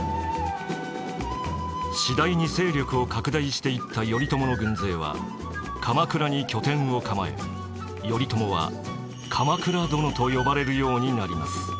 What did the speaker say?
次第に勢力を拡大していった頼朝の軍勢は鎌倉に拠点を構え頼朝は鎌倉殿と呼ばれるようになります。